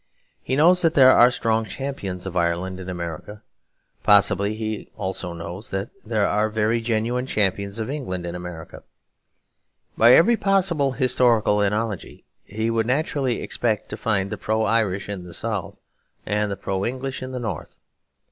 He knows that there are strong champions of Ireland in America; possibly he also knows that there are very genuine champions of England in America. By every possible historical analogy, he would naturally expect to find the pro Irish in the South and the pro English in the North.